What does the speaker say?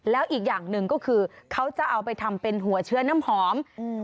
แล้วอีกอย่างหนึ่งก็คือเขาจะเอาไปทำเป็นหัวเชื้อน้ำหอม